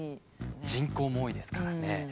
人口も多いですからね。